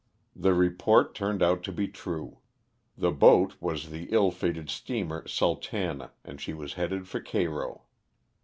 The re port turned out to be true. The boat was the ill fated steamer '^Sultana" and she was headed for Cairo.